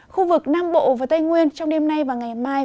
khu vực nam bộ và tây nguyên trong đêm nay và ngày mai